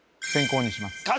先攻にします